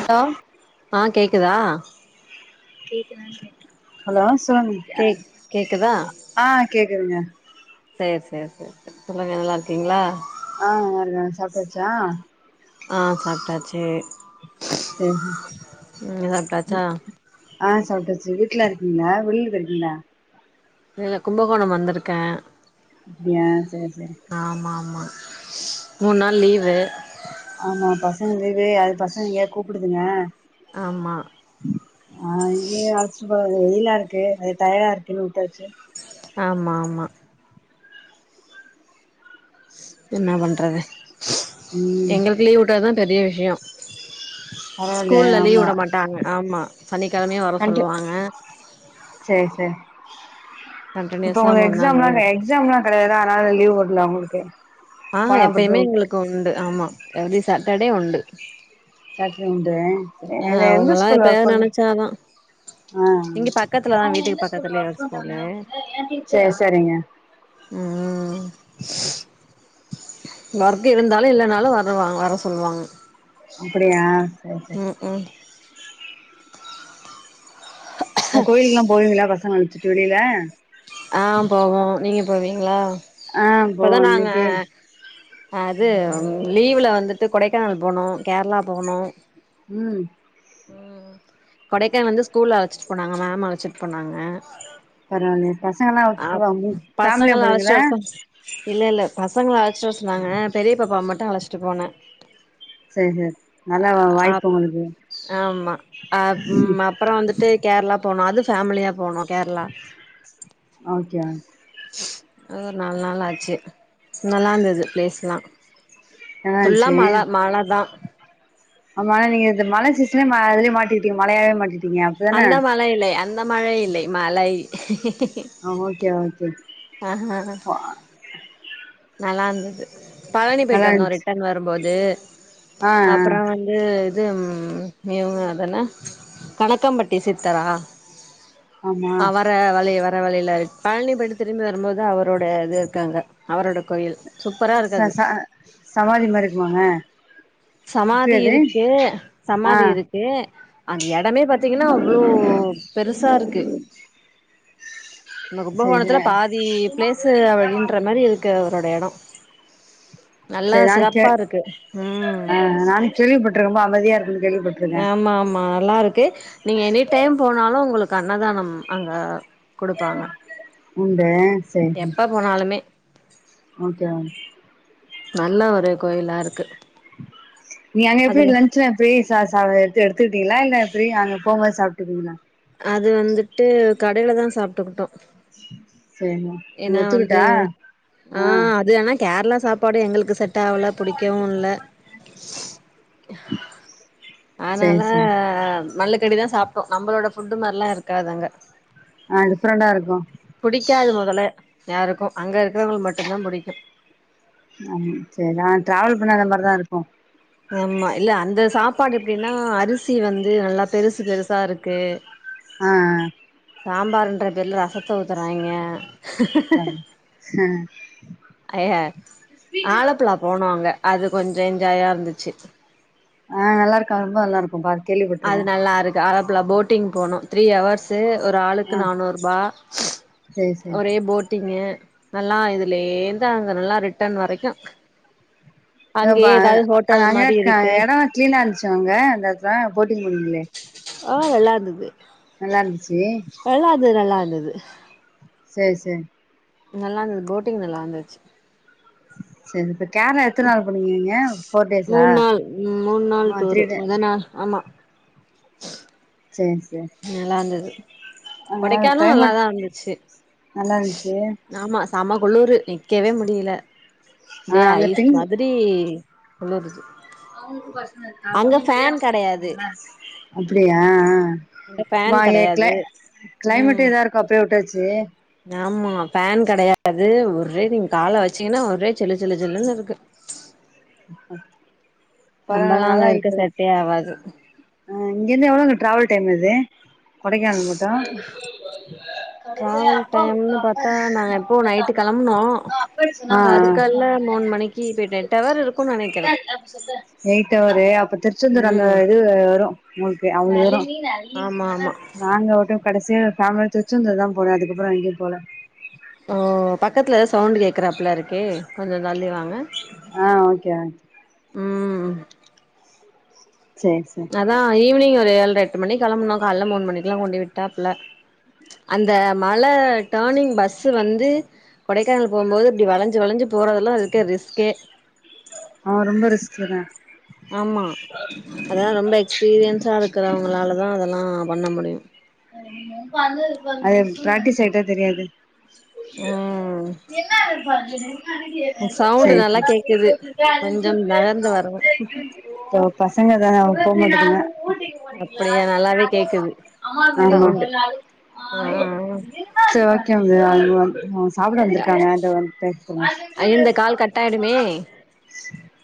hello ஆ கேக்குதா hello சொல்லுங் கேக் கேக்குதா ஆ கேக்குதுங்க சேர் சேர் சேர் சேர் சொல்லுங்க நல்லா இருக்கீங்களா ஆ நல்லா இருக் சாப்டாச்சா ஆ சாப்டாச்சு சேரி நீங்க சாப்டாச்சா ஆ சாப்டாச்சு வீட்ல இருக்கீங்களா வெளில போயிருக்கீங்களா இல்லல்ல கும்பகோணம் வந்திருக்கே அப்டியா சேர் சேரி ஆமா ஆமா மூணு நாள் லீவு ஆமா பசங்க லீவு அது பசங்க எங்கயாது கூப்பிடுதுங்க ஆமா ஆ எங்கயு அழைச்சுட்டு போறது வெயிலா இருக்கு அது டயடா இருக்குன்னு உட்டாச்சு ஆமா ஆமா என்னா பண்றது ம் எங்ளுக் லீவு உட்டதுதா பெரிய விஷயோ பரவால்ல ஸ்கூல்ல லீவ் ஆமா உட மாட்டாங்க சனிக்கிழமையு வர சொல்லுவாங்க சேர் சேரிங் இப்ப கண்டினியூஸா உங்கள்கு மூணு நாள் எக்ஸாம்லாங்க லீவு எக்ஸாம் லா கெடையாது அதனால லீவ் வுடல அவுங்ளுக்கு ஆ எப்பேய்மே எங்ளுக்கு உண்டு ஆமா எவ்ரி சாட்டர்டே உண்டு சட்டர் டே உண்டு ஆ எ எந்த அவங்கல்லா ஸ்கூல்ல ஒர்க் எப்பயாவது பண்ண நெனைச்சாதா இங்க பக்கத்துலதா ஆ வீட்டுக்கு பக்கத்துலயே ஒரு ஸ்கூலு சேர் சேரிங்க ம் ஒர்க் இருந்தாலு இல்லனாலு வரவாங் வர சொல்லுவாங்க அப்டியா ம் ம் ஆ கோயிலுக்லா போவீங்ளா பசங்கல வச்சுட்டு வெளில ஆ போவோ நீங்க போவீங்ளா ஆ போ இப்பதா நாங்க இன்னைக்கு அது லீவுல வந்துட்டு கொடைக்கானல் போனோ கேர்ளா போனோ ம் ம் கொடைக்கானல் வந்து ஸ்கூல்ல அழச்சிட் போனாங்க மேம் அழச்சிட் போனாங்க பரவாயில்லயே பசங்கல்லா அ வந்சுகளா ஃபேம்லியா பசங்கள அழச்சிட்டு போனீங்ளா வர சொன் இல்ல இல்ல பசங்கள அழச்ட்டு வர சொன்னாங்க பெரிய பாப்பாவ மட்டு அழச்ட்டு போனே சேரி சேரி நல்லா ஆப் வாய்ப்பு உங்களுக்கு ஆமா ஆ ம் அப் அப்றோ வந்துட்டு கேர்ளா போனோ அது ஃபேமிலியா போனோ கேர்ளா ஓகேங் அது ஒரு நால் நாள் ஆச்சு நல்லா இருந்தது பிளேஸ்லா நல்லா ஃபுல்லா இருந்துச்சு மல மல தா ஆமா நீங்க இந்த மழ சீசன்லே இதுலேய மாட்டிடீங்க மழயாவே மாட்டிடீங்க அந்த மழை இல்லை அந்த மழை இல்லை மலை ஆ ஓகே ஓகே ஆஹா ஆஹா ப நல்லா இருந்துது பழனி போயிட்டு நல்லா வந்தோ இருந்துச்சு ரிட்டன் வரும் போது ஆ ஆ அப்றோ வந் து இது ம் மிவுங்க அது என்ன கனக்கம்பட்டி சித்தரா ஆமா வ வழி வர வழில பழனி போயிட்டு திரும்பி வரும் போது அவரோட இது இருக்கு அங்க அவரோட கோயில் சூப்பரா இருக்கு ச அது ச சமாதி மாறி இருக்குமாங்க எப்டி சமாதி அது இருக்கு ஆ சமாதி இருக் கே அந்த எடமே பாத்தீங்ன்னா அவ்ளோ பெருசா இருக்கு நம்ப செரி கும்பகோணத்துல பாதி பிளேஸ் அவன் ன்ற மாறி இருக்கு அவரோட எடோ நல்லா செரி நா சிறப்பா இருக்கு ம் கேள்விப்பட்டுருகே ரொம்ப அமைதியா இருக்கு கேள்விப்பட்ருக் ஆமா ஆமா நல்லா இருக் கு நீங்க எனி டைம் போனாலு உங்களுக்கு அன்னதானம் அங்க குடுப்பாங்க உண்ட செரி எப்ப போனாலுமே ஓகே நல்ல ஒரு கோயிலா இருக்கு நீ அங்க எப்டி அதுல லன்ச்ல போய் ச சா எட்த்து எடுத்துட்டீங்ளா இல்ல எப்டி அங்க போம் போது சாப்ட்டுப்பீங்ளா அது வந்துட்டு கடைல தா சாப்ட்டுக்கிட்டோ சேரிமா ஏன்னா வந்து ஆ அது ஆனா கேர்ளா சாப்பாடு எங்களுக்கு செட் ஆவுல புடிக்கவு இல்ல செரி ஆன்னால செரி மல்லுக்கட்டிதா சாப்ட்டோ நம்பளோட ஃபுட்டு மாறிலா இருக்காது அங்க ஆ டிஃப்ரெண்டா இருக்கு புடிக்காது மொதல்ல யாருக்கு அங்க இருக்கிறவங்களுக்கு மட்டு தா புடிக்கும் அம் சேர்தா டிராவல் பண்ணாத மார்தா இருக்கு ஆமா இல்ல அந்த சாப்பாடு எப்டின்னா அரிசி வந்து நல்லா பெருசு பெருசா இருக்கு ஆ சாம்பாருன்ற பேருல ரசத்த ஊத்துறாய்ங்க ஆ ஐய ஆலப்புழா போனோ அங்க அது கொஞ்சோ என்ஜாயா இருந்துச்சு அ நல்லாருக்கு ரொம்ப நல்லா இருக்கும் பா அது கேள்விப்பட்ருக்கே நல்லா இருக்கு ஆழப்புலா போட்டிங் போனோம் த்ரீ ஹவர்ஸ்சு ஒரு ஆளுக்கு ஆ நானூறு ரூபா சேரி ஒரே சேரி போட் டிங்க நல்லா இதுலேர்ந்து அங்க நல்லா ரிட்டர்ன் வரைக்கு அங்யே பா ஏதாவது ஹோட்டல் அங்க மாறி இருக்கு எடோ கிளீனா இருந்துச்சா அங்க அந்த எடத்துல போட்டிங் போனீங்ளே ஆ நல்லா இருந்தது நல்லா இருந்ச்சு நல்லா இருந்துது நல்லா இருந்தது சேர் சேர் நல்லா இருந்தது போட்டிங் நல்லா இருந்துச்சு சேர் சேரி கேர்ளா எத்தன நாள் போயிருந்தீங்க போர் டேஸ்சா மூணு நாள் ம் மூணு நாள் ஆ த்ரீ டூரு டே மொத நாள் ஆமா சேரிங் சேரி நல்லா இருந்தது அங்க கொடைக்கானு கிளைமேட் நல்லாதா இருந்துச்சு நல்லா இருந்துச்சு ஆமா செமக் குளுரூ நிக்கவே முடியல ஆ அப்டியே அங்க ஐஸ் திங்ஸ் மாதிரி அப்டி குளுரூது கெடையாது அப்படியா அ அ அங்க ஃபேன் வாய் ஏக்ல கெடையாது ம் கிளைமேட் ஏதா இருக்கு அப்டியே உட்டாச்சு ஆமா ஃபேன் கிடையாது ஒரே நீங்க கால வச்சீங்கன்னா ஒரே சில்லு சில்லு சில்லுன்னு இருக்கு நம்பல்லா அங்க இருக்க செட்டே ஆவாது அ இங்க இருந்து எவ்ளோங்க டிராவல் டைம் அது கொடைக்கானல் மட்டு டிராவல் டைம்னு பாத்தா நாங்க [inaudible] கருக்கல்ல மூணு மணிக்கு போயிட்டேன் டவர் இருக்குன்னு நினைக்க எயிட் அவரு அப்ப திருச்செந்தூர் அந்த ம் இது அப்பவரு உங்களுக்கு அவ்ள பேரும் ஆமா ஆமா நாங்க மட்டு கடைசியா ஃபேமிலியா திருச்செந்தூர் தா போன அதுக்கப்றோ எங்கயு போல ஆ பக்கத்தில ஏதோ சவுண்டு் கேட்குறாப்பள்ள இருக்கே கொஞ்சோ தள்ளி வாங்க ஆ ஓகே ஆண்ட்டி ம் சேர் சேரி அதா ஈவினிங் ஒரு ஏழ்ரை எட்டு மணிக்கு கிளம்பனோ காலைல மூணு மணிக்கெல்லா கொண்டு போய் விட்டாப்ல அந்த மல டர்னிங் பஸ்சு வந்து கொடைக்கானல் போம்போது இப்டி வளைஞ்சு வளைஞ்சு போறதெல்லா இருக்க ரிஸ்கே ஆ ரொம்ப ரிஸ்க்குங்க ஆமா அதெல்லா ரொம்ப எக்ஸ்பீரியன்ஸா இருக்கிறவங்களாலதா அதெல்லா பண்ண முடியு அது பிராக்டிஸ் ஆயிட்டா தெரியாது ம் சவுண்டு சேர் நல்லா சேரி கேக்குது கொஞ்சம் நகர்ந்து வரணு இந்த ஒரு பசங்க தான அவங் போ மாட்டதுங்க போனீங்களா அப்படியா நல்லாவே கேக்குது [unintelligible] ஆமா சவுண்டு ஆ சேர் ஓகேங் ப்ரோ அவ்ளதா ஆ சாப்ட வந்திருக்காங்க இதோ வந்து பேச சொல்றே இந்த கால் கட்டாயிடுமே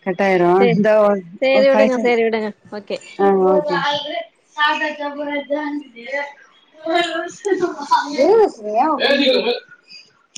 கட்டாயிரு சேரி இந்தா ஒரு ஒரு சேரி ஃபை விடுங்க செகண்ட் சேரி விடுங்க ஓகே ஆ ஒகேங் [inaudible]